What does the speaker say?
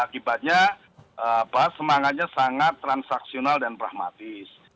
akibatnya semangatnya sangat transaksional dan pragmatis